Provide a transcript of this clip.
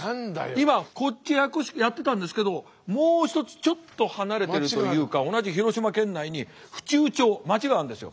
今こっちやってたんですけどもう一つちょっと離れてるというか同じ広島県内に府中町町があるんですよ。